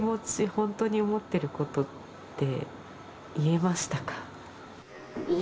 本当に思ってることって言えましたか？